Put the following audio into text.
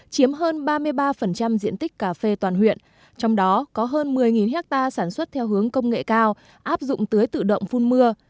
chiếm hơn ba mươi ba diện tích cà phê toàn huyện trong đó có hơn một mươi hectare sản xuất theo hướng công nghệ cao áp dụng tưới tự động phun mưa